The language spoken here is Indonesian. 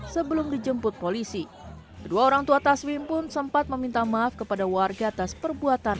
sebelum dijemput polisi kedua orang tua taswim pun sempat meminta maaf kepada warga atas perbuatan